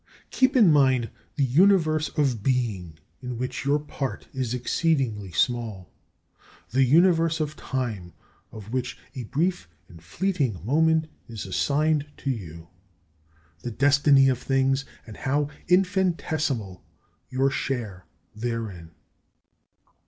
24. Keep in mind the universe of being in which your part is exceeding small, the universe of time of which a brief and fleeting moment is assigned to you; the destiny of things, and how infinitesimal your share therein.